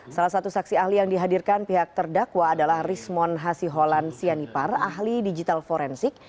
salah satu saksi ahli yang dihadirkan pihak terdakwa adalah rismond hasiholan sianipar ahli digital forensik